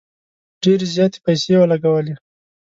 ډیري زیاتي پیسې ولګولې.